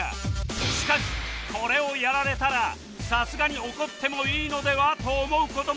しかしこれをやられたらさすがに怒ってもいいのでは？と思う事もあるはず